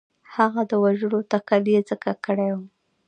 هغه د وژلو تکل یې ځکه کړی وو.